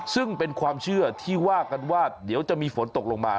ซึ่งเป็นความเชื่อที่ว่ากันว่าเดี๋ยวจะมีฝนตกลงมา